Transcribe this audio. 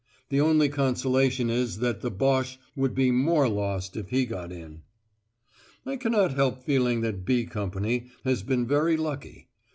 The only consolation is that the Boche would be more lost if he got in! I cannot help feeling that 'B' company has been very lucky.